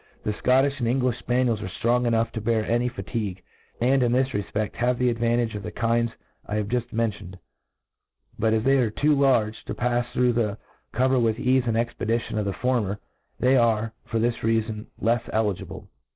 The Scottifli and Englifli fpanicls are ftrong enough to* bear any fatigue, and, in this refped, have the advantage of the kinds I have juft mentioned j but, as they arc two large to pafs through the cover ^th theeafeand expedition of the former, they are, for this reafon, lefs eligible.